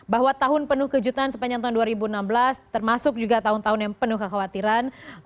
bahwa tahun penuh kejutan sepanjang tahun dua ribu enam belas termasuk juga tahun tahun yang penuh kekhawatiran